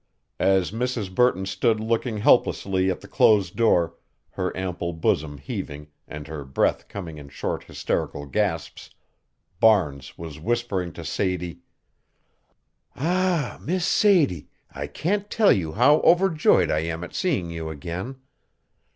As Mrs. Burton stood looking helplessly at the closed door, her ample bosom heaving and her breath coming in short hysterical gasps, Barnes was whispering to Sadie: "Ah, Miss Sadie, I can't tell you how overjoyed I am at seeing you again.